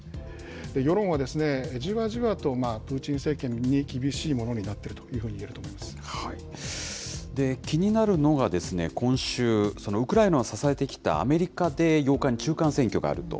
世論は、じわじわとプーチン政権に厳しいものになっていると言えると思い気になるのが今週、ウクライナを支えてきたアメリカで８日に中間選挙があると。